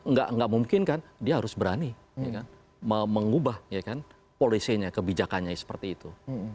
nggak memungkinkan dia harus berani mengubah polisinya kebijakannya seperti itu